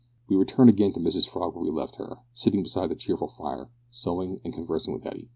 We return again to Mrs Frog where we left her, sitting beside her cheerful fire, sewing and conversing with Hetty.